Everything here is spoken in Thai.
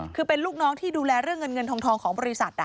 คือเป็นลูกน้องที่ดูแลเรื่องเงินเงินทองของบริษัท